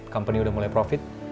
company udah mulai profit